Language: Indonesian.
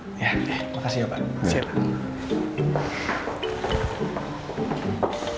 sekarang gue ada di depan lapas di atas jati kota ini